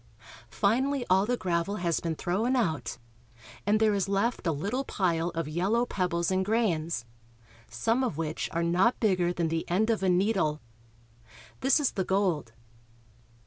Finally all the gravel has been thrown out, and there is left a little pile of yellow pebbles and grains, some of which are not bigger than the end of a needle. This is the gold.